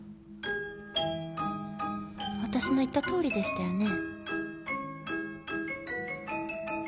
わたしの言ったとおりでしたよね？